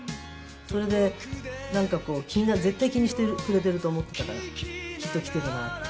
それでなんかこう絶対気にしてくれてると思ってたからきっと来てるなって。